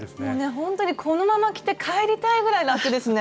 ほんとにこのまま着て帰りたいぐらい楽ですね。